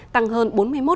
tăng hơn bốn mươi một